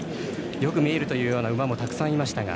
よく見えるというような馬もたくさんいました。